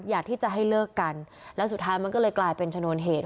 อยากที่จะให้เลิกกันแล้วสุดท้ายมันก็เลยกลายเป็นชนวนเหตุ